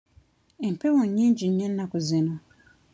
Empewo nnyingi nnyo ennaku zino.